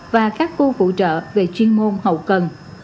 và các khu phụ trợ về chuyên môn hậu cần